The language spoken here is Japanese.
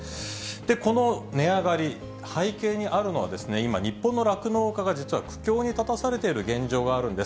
この値上がり、背景にあるのは、今、日本の酪農家が実は苦境に立たされている現状があるんです。